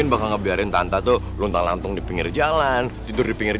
ibu yang habis kerjustukan itu sendiri itu p truk